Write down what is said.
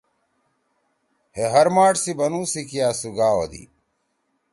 ہے ہر ماݜ سی بنُو سی کیا سُوگھا ہودی۔